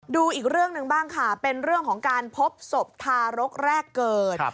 ดูอีกเรื่องหนึ่งบ้างค่ะเป็นเรื่องของการพบศพทารกแรกเกิด